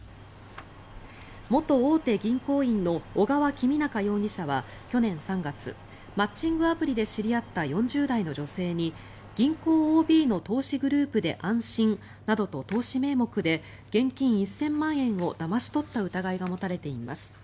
元大手銀行員の小川公央容疑者は去年３月マッチングアプリで知り合った４０代の女性に銀行ＯＢの投資グループで安心などと投資名目で現金１０００万円をだまし取った疑いが持たれています。